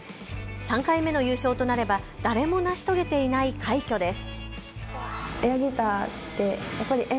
３回目の優勝となれば誰も成し遂げていない快挙です。